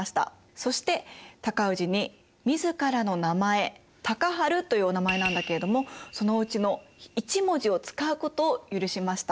そして高氏に自らの名前尊治というお名前なんだけれどもそのうちの１文字を使うことを許しました。